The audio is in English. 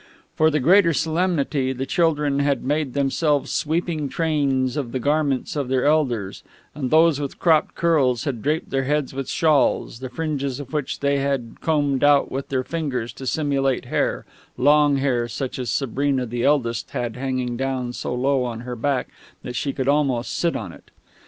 For the greater solemnity, the children had made themselves sweeping trains of the garments of their elders, and those with cropped curls had draped their heads with shawls, the fringes of which they had combed out with their fingers to simulate hair long hair, such as Sabrina, the eldest, had hanging so low down her back that she could almost sit on it.